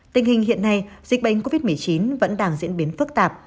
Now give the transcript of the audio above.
tình hình hiện nay dịch bệnh covid một mươi chín vẫn đang diễn biến phức tạp